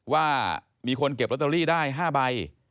ว่ามีคนเก็บลอตเตอรี่ได้๕ใบ